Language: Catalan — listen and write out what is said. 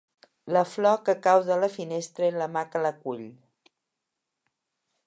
La flor que cau de la finestra i la mà que la cull